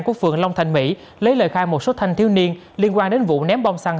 của phường long thành mỹ lấy lời khai một số thanh thiếu niên liên quan đến vụ ném bom xăng